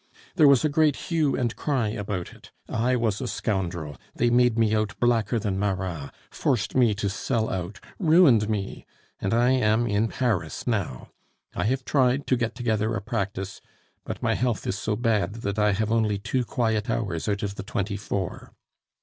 There was a great hue and cry about it. I was a scoundrel; they made me out blacker than Marat; forced me to sell out; ruined me. And I am in Paris now. I have tried to get together a practice; but my health is so bad, that I have only two quiet hours out of the twenty four.